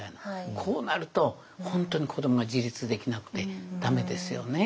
こうなると本当に子どもが自立できなくて駄目ですよね。